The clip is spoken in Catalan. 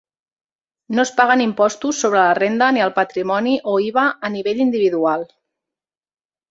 No es paguen impostos sobre la renda ni el patrimoni o IVA a nivell individual.